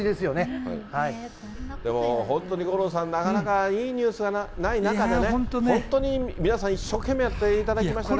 でも本当に五郎さん、なかなか、いいニュースがない中でね、本当に皆さん一生懸命やっていただきましたね。